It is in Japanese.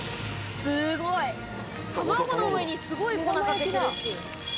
すごい！卵の上にすごい粉かけてるし。